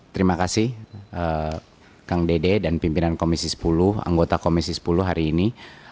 terima kasih kang dede dan pimpinan komisi sepuluh anggota komisi sepuluh hari ini